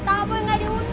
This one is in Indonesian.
tamu yang nggak diundang